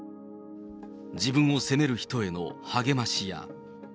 自分を責める人への励ましや。